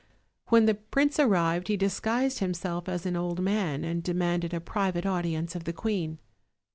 When the prince arrived he disguised himself as an old man, and demanded a private audience of the queen.